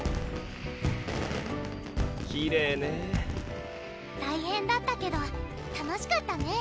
きれいね大変だったけど楽しかったね